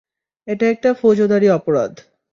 এটা একটা ফৌজদারি অপরাধ।